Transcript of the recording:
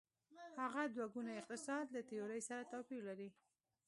هغه دوه ګونی اقتصاد له تیورۍ سره توپیر لري.